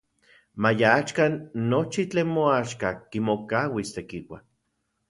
Maya axkan nochi tlen moaxka kimokauis Tekiua.